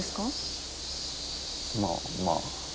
まあまあ。